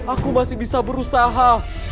aku masih bisa berusaha